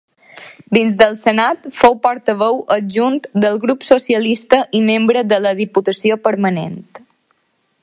Dins del Senat fou portaveu adjunt del Grup Socialista i membre de la Diputació permanent.